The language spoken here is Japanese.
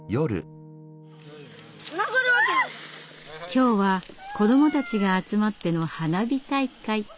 今日は子どもたちが集まっての花火大会。